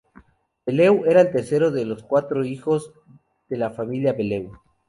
Bellew era el tercero de los cuatro hijos de la familia Bellew.